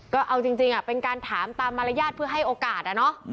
ก็เอาจริงเป็นการถามตามมารยาทเพื่อให้โอกาส